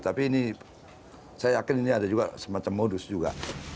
tapi ini saya yakin ini ada juga semacam modus juga